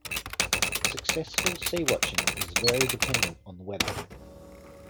Successful seawatching is very dependent on the weather.